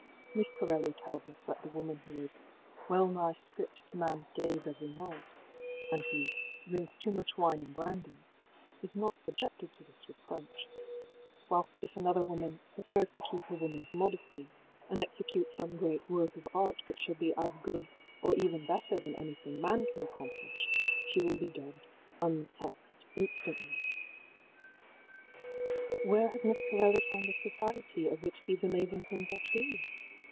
Miss Corelli tells us that the woman who is ëwell nigh stripped to manís gaze every night,í and who ëdrinks too much wine and brandy,í is not subjected to this reproach, whilst if another woman ëprefers to keep her womanís modesty, and execute some great work of art which shall be as good or even better than anything man can accomplish, she will be dubbed ìunsexedî instantly,í Where has Miss Corelli found the society of which these amazing things are true?